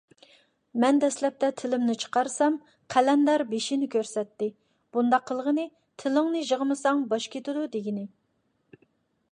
مەن دەسلەپتە تىلىمنى چىقارسام، قەلەندەر بېشىنى كۆرسەتتى. بۇنداق قىلغىنى «تىلىڭنى يىغمىساڭ، باش كېتىدۇ» دېگىنى.